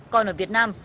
còn ở việt nam